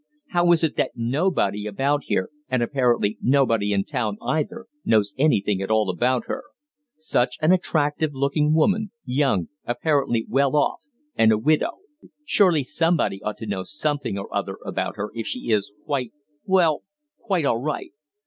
How is it that nobody about here, and apparently nobody in town either, knows anything at all about her? Such an attractive looking woman, young, apparently well off, and a widow surely somebody ought to know something or other about her if she is quite well, quite all right.